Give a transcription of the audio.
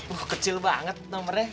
wah kecil banget nomornya